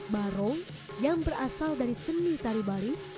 barong yang berasal dari seni tari bari